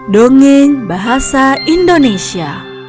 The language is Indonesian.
dongeng bahasa indonesia